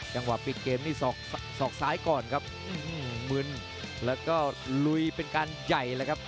จังหวะปิดเกมนี่สอกซ้ายก่อนครับมึนแล้วก็ลุยเป็นการใหญ่เลยครับ